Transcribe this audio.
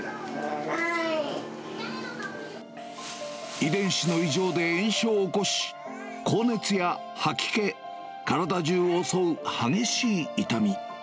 遺伝子の異常で炎症を起こし、高熱や吐き気、体中を襲う激しい痛み。